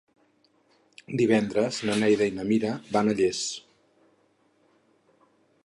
Divendres na Neida i na Mira van a Llers.